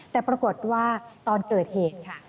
แต่ปรากฏว่าตอนเกิดเหตุค่ะ